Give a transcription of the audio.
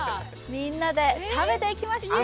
みんなで食べていきましょう。